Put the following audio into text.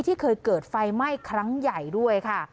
ที่เคยเกิดไฟไหม้ครั้งใหญ่ด้วยค่ะ